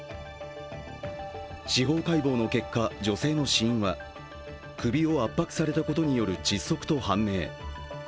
司法解剖の結果、女性の死因は首を圧迫されたことによる窒息と判明。